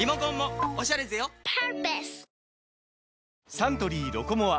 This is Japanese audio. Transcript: サントリー「ロコモア」